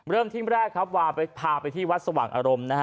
เริ่มที่แรกเปิดพาไปที่วัดสวังอารมณ์